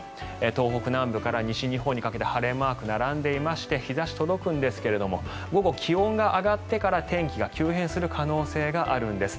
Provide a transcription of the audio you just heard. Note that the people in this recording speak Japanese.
東北南部から西日本にかけて晴れマークが並んでいまして日差し届くんですが午後、気温が上がってから天気が急変する可能性があるんです。